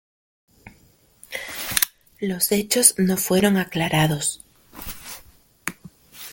Los hechos no fueron aclarados.